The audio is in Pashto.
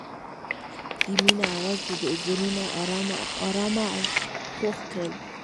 د مینه اواز د دوی زړونه ارامه او خوښ کړل.